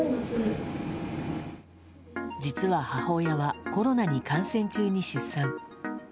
実は、母親はコロナに感染中に出産。